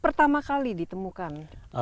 pertama kali ditemukan